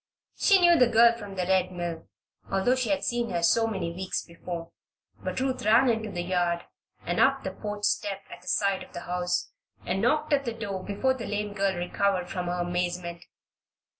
She knew the girl from the Red Mill, although she had seen her so many weeks before; but Ruth ran into the yard and up the porch steps at the side of the house, and knocked at the door before the lame girl recovered from her amazement.